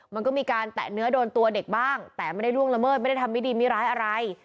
มันก็มีการแตะเนื้อโดนตัวเด็กบ้างแต่ไม่ได้ล่วงละเมิดไม่ได้ทำไม่ดีไม่ร้ายอะไร